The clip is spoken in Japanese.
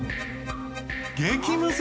激ムズ！